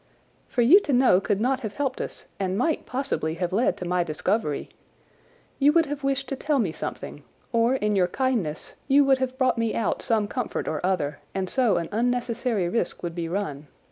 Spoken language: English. "For you to know could not have helped us and might possibly have led to my discovery. You would have wished to tell me something, or in your kindness you would have brought me out some comfort or other, and so an unnecessary risk would be run.